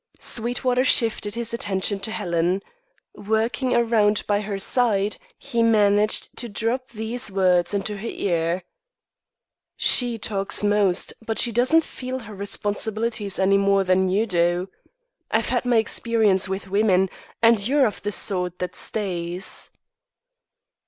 Sweetwater shifted his attention to Helen. Working around by her side, he managed to drop these words into her ear: "She talks most, but she doesn't feel her responsibilities any more than you do. I've had my experience with women, and you're of the sort that stays."